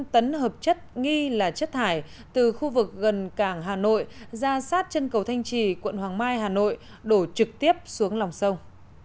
một tấn hợp chất nghi là chất thải từ khu vực gần cảng hà nội ra sát chân cầu thanh trì quận hoàng mai hà nội đổ trực tiếp xuống lòng sông